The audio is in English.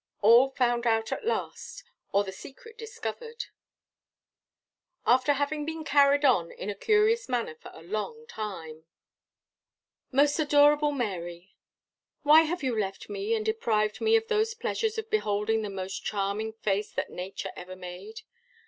ALL FOUND OUT AT LAST, Or the SECRET DISCOVERED, After having been carried on in a curious manner for a long time. "Most adorable Mary "Why have you left me, and deprived me of those pleasures of beholding the most charming face that nature ever made?